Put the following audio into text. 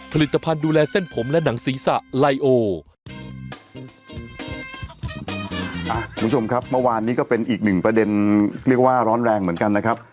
คุณผู้ชมครับเมื่อวานนี้ก็เป็นอีกหนึ่งประเด็นเรียกว่าร้อนแรงเหมือนกันนะครับ